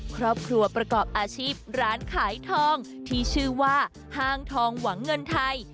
ครอบครัวประกอบอาชีพร้านขายทองที่ชื่อว่าห้างทองหวังเงินไทย